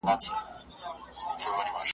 د پلار اشنا د زوی کاکا .